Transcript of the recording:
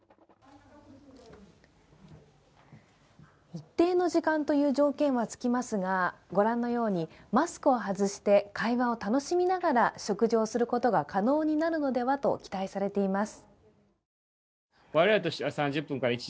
一定の時間という条件はつきますが御覧のように、マスクを外して会話を楽しみながら食事をすることが可能になるのではと期待されています。